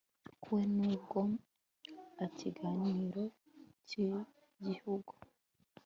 Ko we nubwo ikiganiro cyigihugu